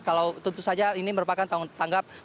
kalau tentu saja ini merupakan tanggap